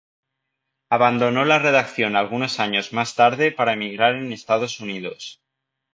Abandonó la redacción algunos años más tarde para emigrar en Estados Unidos.